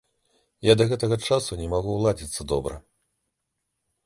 Я да гэтага часу не магу ўладзіцца добра.